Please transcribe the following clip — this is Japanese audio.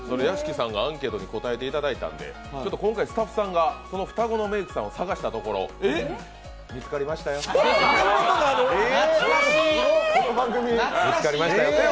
屋敷さんがアンケートに答えていただいたんで今回、スタッフさんがその双子のメークさんを探したところ、見つかりましたよ。